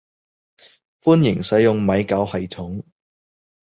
歡迎使用米狗系統